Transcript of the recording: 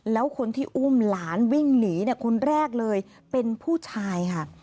แล้วคนที่อุ้มหลานวิ่งหนีคนแรกเลยเป็นผู้ชายค่ะ